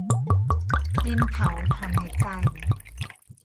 ดินเผาถอนหายใจ